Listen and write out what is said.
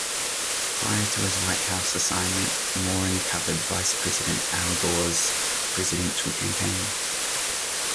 Prior to his White House assignment, Moran covered Vice President Al Gore's presidential campaign.